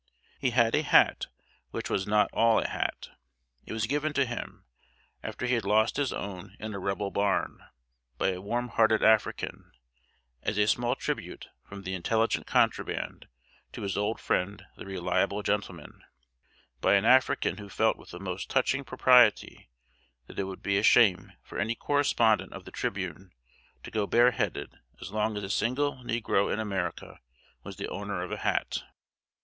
He had a hat which was not all a hat. It was given to him, after he had lost his own in a Rebel barn, by a warm hearted African, as a small tribute from the Intelligent Contraband to his old friend the Reliable Gentleman by an African who felt with the most touching propriety that it would be a shame for any correspondent of The Tribune to go bareheaded as long as a single negro in America was the owner of a hat!